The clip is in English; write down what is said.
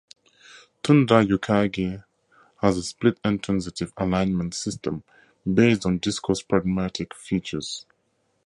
Tundra Yukaghir has a split intransitive alignment system based on discourse-pragmatic features.